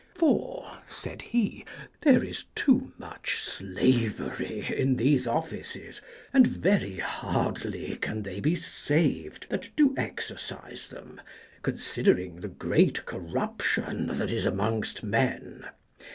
For, said he, there is too much slavery in these offices, and very hardly can they be saved that do exercise them, considering the great corruption that is amongst men.